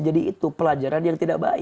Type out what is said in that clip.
jadi itu pelajaran yang tidak berhenti